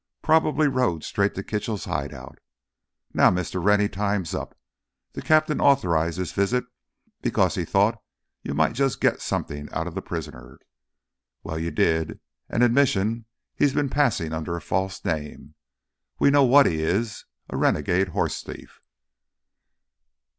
"Probably rode straight to Kitchell's hideout. Now, Mr. Rennie, time's up. The captain authorized this visit because he thought you might just get something out of the prisoner. Well, you did: an admission he's been passing under a false name. We know what he is—a renegade horse thief."